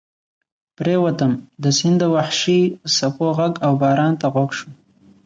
پرېوتم، د سیند د وحشي څپو غږ او باران ته غوږ شوم.